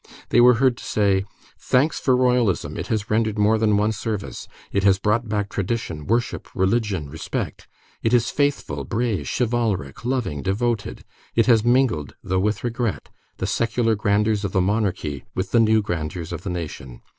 They were heard to say: "Thanks for Royalism! It has rendered more than one service. It has brought back tradition, worship, religion, respect. It is faithful, brave, chivalric, loving, devoted. It has mingled, though with regret, the secular grandeurs of the monarchy with the new grandeurs of the nation.